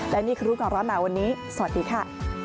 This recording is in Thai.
และนี่คือรูปของเรามาวันนี้สวัสดีค่ะ